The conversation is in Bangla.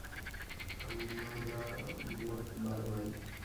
আমরা মোট বার ভাই।